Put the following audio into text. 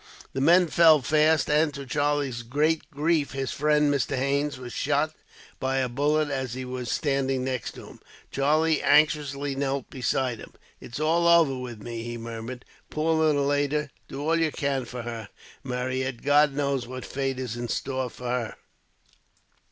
The men fell fast and, to Charlie's great grief, his friend Mr. Haines was shot by a bullet, as he was standing next to him. Charlie anxiously knelt beside him. "It is all over with me," he murmured. "Poor little Ada. Do all you can for her, Marryat. God knows what fate is in store for her."